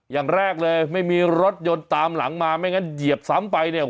อย่างแรกเลยไม่มีรถยนต์ตามหลังมาไม่งั้นเหยียบซ้ำไปเนี่ย